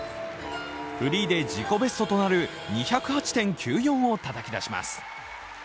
フリーで自己ベストとなる２０８．９４をたたき出します。